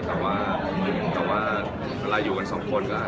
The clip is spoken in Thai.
เวลาพอเป็นข้างนอกทุกอย่างดูดีอย่างเงี้ย